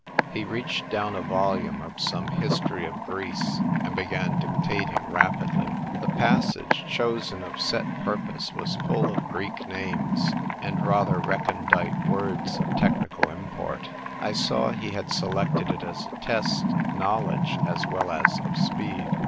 He reached down a volume of some History of Greece, and began dictating rapidly. The passage, chosen of set purpose, was full of Greek names, and rather recondite words of technical import, I saw he had selected it as a test of knowledge as well as of speed.